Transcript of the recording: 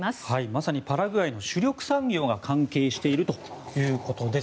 まさにパラグアイの主力産業が関係しているということです。